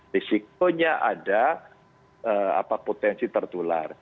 risikonya ada potensi tertular